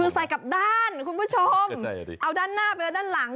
คือใส่กลับด้านคุณผู้ชมก็ใช่อ่ะดิเอาด้านหน้าไปแล้วด้านหลัง